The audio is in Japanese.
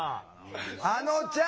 あのちゃん！